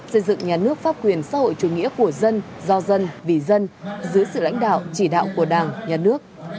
xây dựng nhà nước pháp quyền xã hội chủ nghĩa của dân do dân vì dân dưới sự lãnh đạo chỉ đạo của đảng nhà nước